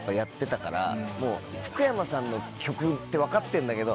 福山さんの曲って分かってんだけど。